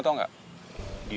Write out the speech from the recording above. dia tuh suka mainin cewek